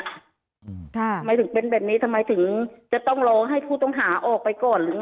ทำไมถึงเป็นแบบนี้ทำไมถึงจะต้องรอให้ผู้ต้องหาออกไปก่อนหรือ